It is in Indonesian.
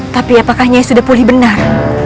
tapi apakah nya sudah pulih benar